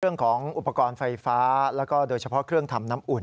เรื่องของอุปกรณ์ไฟฟ้าแล้วก็โดยเฉพาะเครื่องทำน้ำอุ่น